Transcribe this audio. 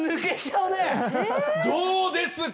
どうですか！